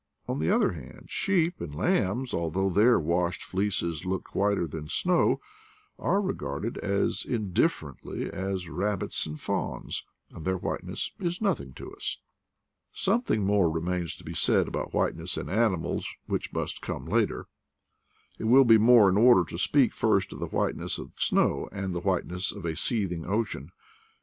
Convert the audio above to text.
On the other hand, sheep and lambs, although their washed fleeces look whiter than snow, are regarded as indifferently as rab bits and fawns, and their whiteness is nothing to us. Something more remains to be said about white ness in animals, which must come later. It will be more in order to speak first of the whiteness of snow, and the whiteness of a seething ocean.